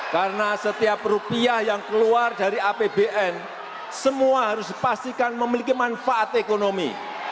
karena setiap rupiah yang keluar dari apbn semua harus dipastikan memiliki manfaat ekonomi